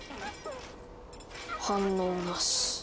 反応なし。